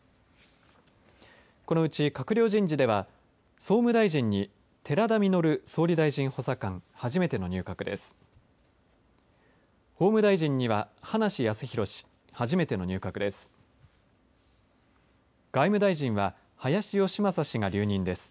このうち閣僚人事では総務大臣に寺田稔総理大臣補佐官初めての入閣です。